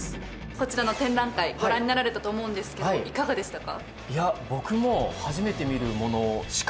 こちらの展覧会ご覧になられたと思うんですけどいかがでしたか？